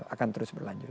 akan terus berlanjut